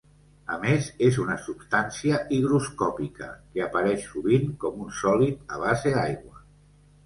A més és una substància higroscòpica, que apareix sovint com un sòlid a base d'aigua.